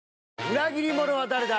裏切り者は誰だ？